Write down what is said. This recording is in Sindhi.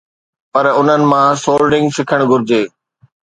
پر انهن مان سولڊرنگ سکڻ گهرجي.